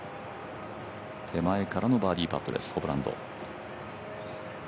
手前からのバーディーパットですホブランド。